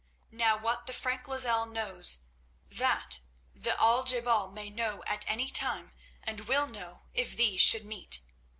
Now what the Frank Lozelle knows, that the Al je bal may know at any time—and will know, if these should meet.